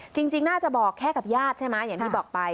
จริงน่าจะบอกแค่กับญาติใช่ไหมอย่างที่บอกไป